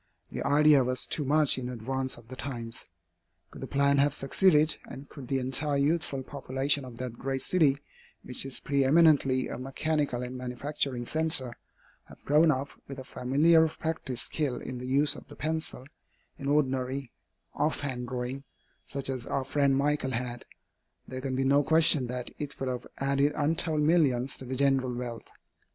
The idea was too much in advance of the times. Could the plan have succeeded, and could the entire youthful population of that great city, which is preëminently a mechanical and manufacturing centre, have grown up with a familiar practised skill in the use of the pencil, in ordinary, off hand drawing, such as our friend Michael had, there can be no question that it would have added untold millions to the general wealth.